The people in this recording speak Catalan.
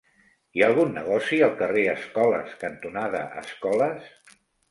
Hi ha algun negoci al carrer Escoles cantonada Escoles?